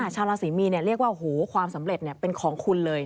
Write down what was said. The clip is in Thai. ชาวราศรีมีนเรียกว่าความสำเร็จเป็นของคุณเลย